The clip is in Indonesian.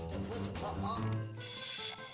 cukup cukup cukup